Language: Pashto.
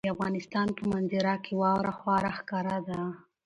د افغانستان په منظره کې واوره خورا ښکاره ده.